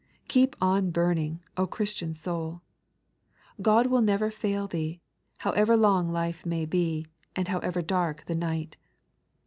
Keep on buming, Christian soul I God will never fail thee, however long life may be, and however dark the night